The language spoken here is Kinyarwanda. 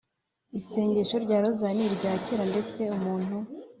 isengesho rya rozari ni irya kera, ndetse umuntu